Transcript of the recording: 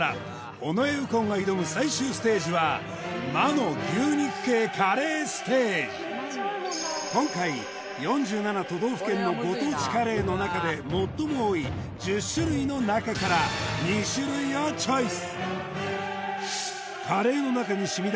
尾上右近が挑む最終ステージは今回４７都道府県のご当地カレーの中で最も多い２種類をチョイス！